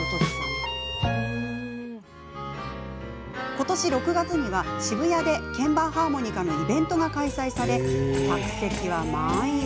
今年６月には渋谷で鍵盤ハーモニカのイベントが開催され客席は満員。